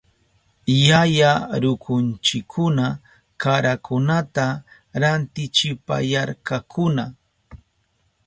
Yaya rukunchikuna karakunata rantichipayarkakuna.